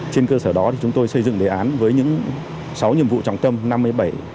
trên cơ sở đó chúng tôi xây dựng đề án với những sáu nhiệm vụ trọng tâm